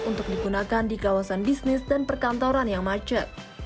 untuk digunakan di kawasan bisnis dan perkantoran yang macet